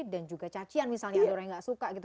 dan juga cacian misalnya yang orangnya gak suka gitu